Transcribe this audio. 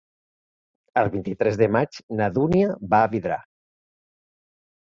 El vint-i-tres de maig na Dúnia va a Vidrà.